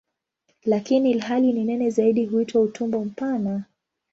Lakini ilhali ni nene zaidi huitwa "utumbo mpana".